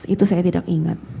itu saya tidak ingat